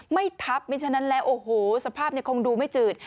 ไม่ทับไม่ฉะนั้นแล้วโอ้โหสภาพคงดูไม่จืด